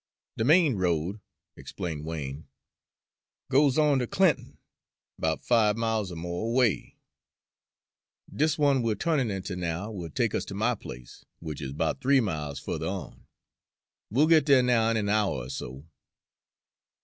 "De main road," explained Wain, "goes on to Clinton, 'bout five miles er mo' away. Dis one we're turnin' inter now will take us to my place, which is 'bout three miles fu'ther on. We'll git dere now in an hour er so."